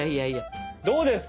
どうですか？